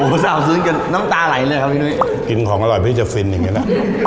สาวซื้อจนน้ำตาไหลเลยครับพี่นุ้ยกินของอร่อยพี่จะฟินอย่างนั้น